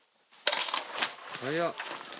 早っ。